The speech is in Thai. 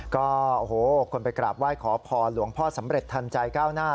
ก็โอ้โหคนไปกราบไหว้ขอพรหลวงพ่อสำเร็จทันใจก้าวหน้า